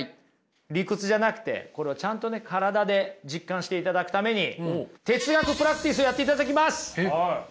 理屈じゃなくてこれをちゃんとね体で実感していただくために哲学プラクティスをやっていただきます。